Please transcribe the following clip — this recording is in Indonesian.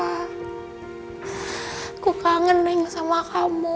aku kangen neng sama kamu